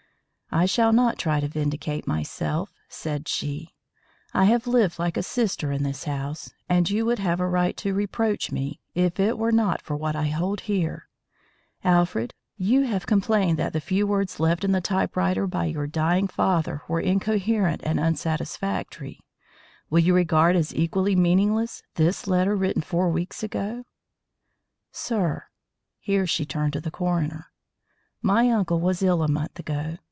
"I shall not try to vindicate myself," said she. "I have lived like a sister in this house, and you would have a right to reproach me if it were not for what I hold here. Alfred, you have complained that the few words left in the typewriter by your dying father were incoherent and unsatisfactory. Will you regard as equally meaningless this letter written four weeks ago? Sir," here she turned to the coroner, "my uncle was ill a month ago.